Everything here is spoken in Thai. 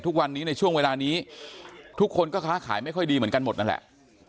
ทุกวันนี้ในช่วงเวลานี้ทุกคนก็ค้าขายไม่ค่อยดีเหมือนกันหมดนั่นแหละ